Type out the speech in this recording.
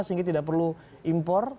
sehingga tidak perlu impor